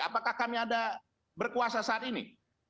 apakah kami ada berkuasa saat ini